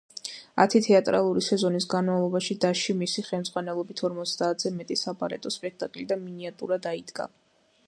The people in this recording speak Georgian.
ათი თეატრალური სეზონის განმავლობაში დასში მისი ხელმძღვანელობით ორმოცდაათზე მეტი საბალეტო სპექტაკლი და მინიატურა დაიდგა.